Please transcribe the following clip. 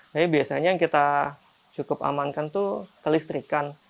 tapi biasanya yang kita cukup amankan itu kelistrikan